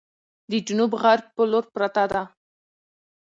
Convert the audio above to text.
د جنوب غرب په لور پرته ده،